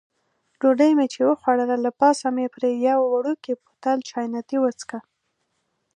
ډوډۍ مې چې وخوړله، له پاسه مې پرې یو وړوکی بوتل چیانتي وڅېښه.